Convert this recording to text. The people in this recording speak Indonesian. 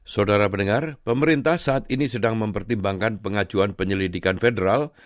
saudara pendengar pemerintah saat ini sedang mempertimbangkan pengajuan penyelidikan federal